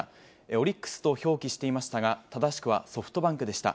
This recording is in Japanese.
オリックスと表記していましたが、正しくはソフトバンクでした。